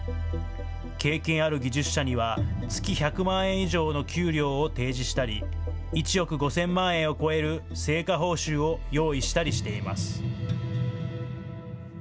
経験ある技術者には、月１００万円以上の給料を提示したり、１億５０００万円を超える成果報酬を用意したりしています。